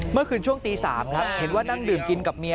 เมื่อคืนช่วงตี๓ครับเห็นว่านั่งดื่มกินกับเมีย